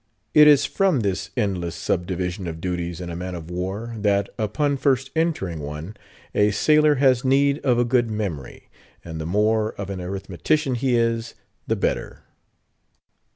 It is from this endless subdivision of duties in a man of war, that, upon first entering one, a sailor has need of a good memory, and the more of an arithmetician he is, the better.